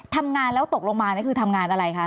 ทำงานแล้วตกลงมานี่คือทำงานอะไรคะ